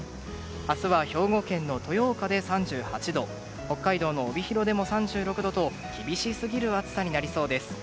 明日は兵庫県の豊岡で３８度北海道の帯広でも３６度と厳しすぎる暑さになりそうです。